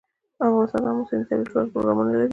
افغانستان د آمو سیند د ترویج لپاره پروګرامونه لري.